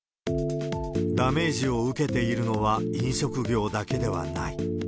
ダメージを受けているのは飲食業だけではない。